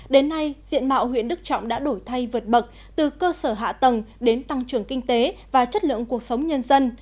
đến nay diện mạo huyện đức trọng đã đổi thay vượt bậc từ cơ sở hạ tầng đến tăng trưởng kinh tế và chất lượng cuộc sống nhân dân